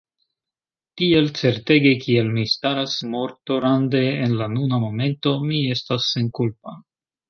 Tiel certege kiel mi staras mortorande en la nuna momento, mi estas senkulpa.